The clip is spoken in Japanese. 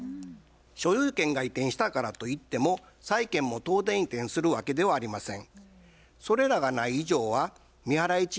所有権が移転したからといっても債権も当然移転するわけではありません。